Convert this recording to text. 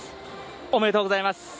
おめでとうございます。